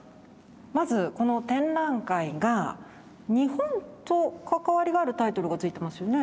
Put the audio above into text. まずこの展覧会が日本と関わりがあるタイトルがついてますよね。